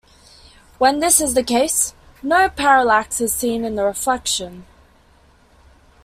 When this is the case, no parallax is seen in the reflection.